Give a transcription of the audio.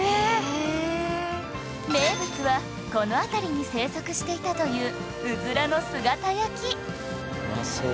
名物はこの辺りに生息していたといううずらの姿焼き